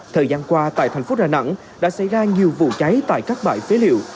thời gian qua tại thành phố đà nẵng đã xảy ra nhiều vụ cháy tại các bãi phế liệu